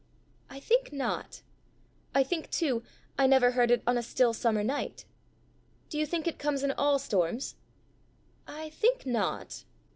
"I think not. I think too I never heard it on a still summer night." "Do you think it comes in all storms?" "I think not."